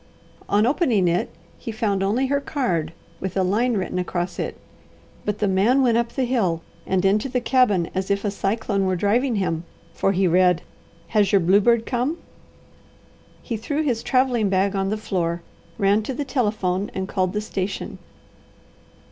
On opening it, he found only her card with a line written across it, but the man went up the hill and into the cabin as if a cyclone were driving him, for he read, "Has your bluebird come?" He threw his travelling bag on the floor, ran to the telephone, and called the station.